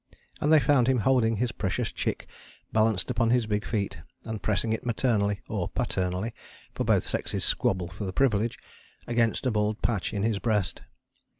And they found him holding his precious chick balanced upon his big feet, and pressing it maternally, or paternally (for both sexes squabble for the privilege) against a bald patch in his breast.